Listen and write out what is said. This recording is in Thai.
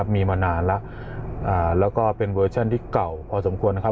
มีมานานแล้วแล้วก็เป็นเวอร์ชั่นที่เก่าพอสมควรนะครับ